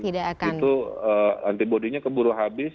itu antibody nya keburu habis